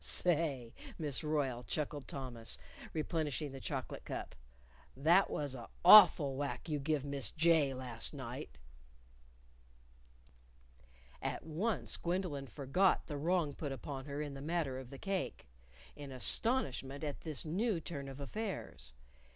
_ "Say, Miss Royle," chuckled Thomas, replenishing the chocolate cup, "that was a' awful whack you give Miss J last night." At once Gwendolyn forgot the wrong put upon her in the matter of the cake in astonishment at this new turn of affairs.